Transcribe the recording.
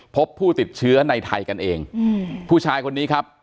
พบผู้ติดเชื้อในไทยกันเองอืมผู้ชายคนนี้ครับ